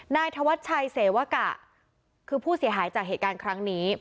นายธวัชชัยเสวกะคือผู้เสียหายจากเหตุการณ์ครั้งนี้